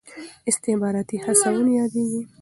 استخباراتي هڅونې یادېږي.